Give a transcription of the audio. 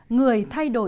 người thay đổi đời tôi